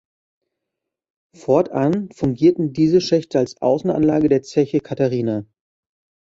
Fortan fungierten diese Schächte als Außenanlage der Zeche Katharina.